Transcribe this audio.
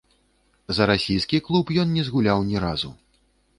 За расійскі клуб ён не згуляў ні разу.